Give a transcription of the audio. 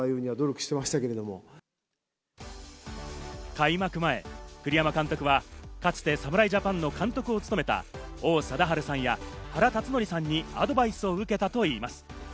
開幕前、栗山監督は、かつて侍ジャパンの監督を務めた王貞治さんや原辰徳さんにアドバイスを受けたといいます。